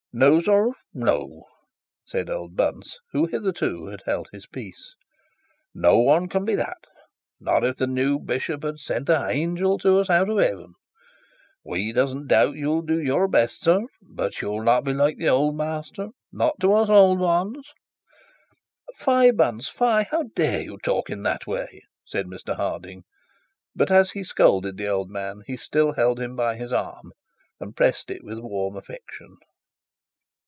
'No, no, sir,' said old Bunce, who hitherto had held his peace; 'no one can be that. Not if the new bishop sent a hangel to us from heaven. We doesn't doubt you'll do your best, sir, but you'll not be like the old master; not to us old ones.' 'Fie, Bunce, fie! how dare you talk in that way!' said Mr Harding; but as he scolded the old man he still held him by his arm, and pressed it with warm affection.